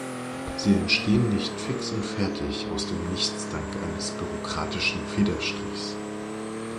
Sie entstehen nicht fix und fertig aus dem Nichts dank eines bürokratischen Federstrichs.